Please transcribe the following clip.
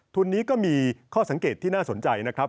ทุนนี้ก็มีข้อสังเกตที่น่าสนใจนะครับ